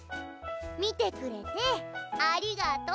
見てくれてありがとう。